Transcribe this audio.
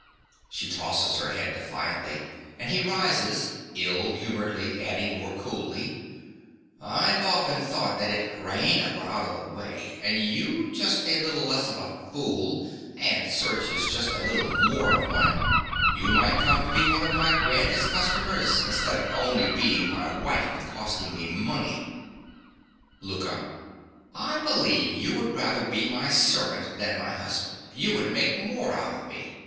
(She tosses her head defiantly; and he rises, ill humoredly, adding more coolly) I've often thought that if Raina were out of the way, and you just a little less of a fool and Sergius just a little more of one, you might come to be one of my grandest customers, instead of only being my wife and costing me money. LOUKA. I believe you would rather be my servant than my husband. You would make more out of me.